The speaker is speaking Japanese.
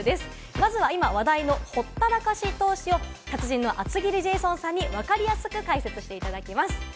まずは今話題のほったらかし投資を達人の厚切りジェイソンさんにわかりやすく解説していただきます。